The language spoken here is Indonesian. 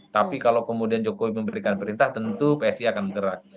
tapi kalau kemudian jokowi memberikan perintah tentu psi akan bergerak